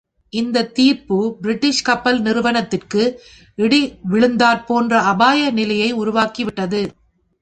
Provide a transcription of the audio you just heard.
இந்த தீர்ப்பு பிரிட்டிஷ் கப்பல் நிறுவனத்துக்கு இடி விழுந்தாற்போன்ற அபாய நிலையை உருவாக்கி விட்டது.